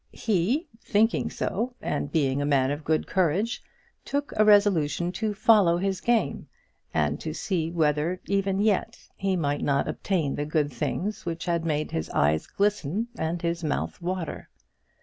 He thinking so, and being a man of good courage, took a resolution to follow his game, and to see whether even yet he might not obtain the good things which had made his eyes glisten and his mouth water.